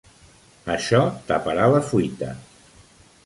Això taparà la fuita.